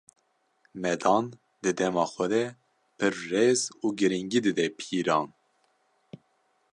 Medan, di dema xwe de pir rêz û girîngî dide pîran.